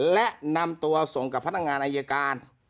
และนำตัวส่งกับพนักงานอายการ